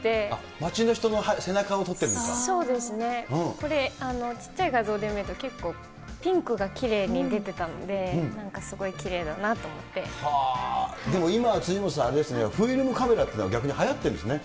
街の人の背中を撮ってるんでそうですね、これ、ちっちゃい画像で見ると、結構、ピンクがきれいに出てたので、なんかすごでも今、辻元さん、あれですよね、フィルムカメラというのが逆にはやってるんですね。